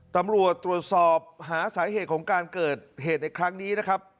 ตำรวจตรวจสอบหาสาเหตุของการเกิดเหตุในครั้งนี้นะครับ